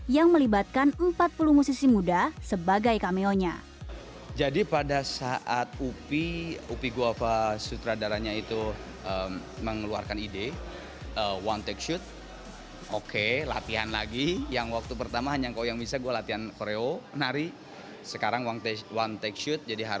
yang melibatkan empat video yang berbeda